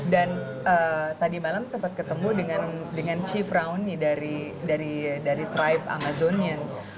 dan tadi malam sempat ketemu dengan chief raunee dari tribe amazonian